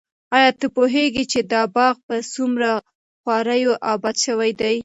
ایا ته پوهېږې چې دا باغ په څومره خواریو اباد شوی دی؟